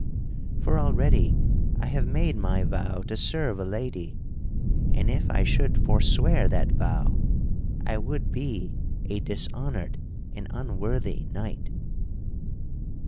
For already I have made my vow to serve a lady, and if I should forswear that vow, I would be a dishonored and unworthy knight."